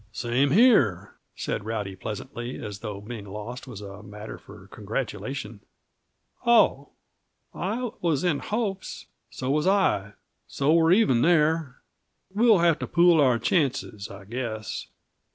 "Same here," said Rowdy pleasantly, as though being lost was a matter for congratulation. "Oh! I was in hopes " "So was I, so we're even there. We'll have to pool our chances, I guess.